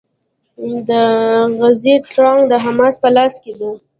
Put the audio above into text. د غزې تړانګه د حماس په لاس کې ده.